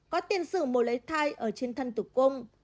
có tiền sử mổ lấy thai ở trên thân tủ cung